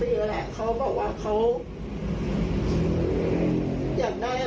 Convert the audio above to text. เพราะว่าถามเขาก็เป็นเดียวครับ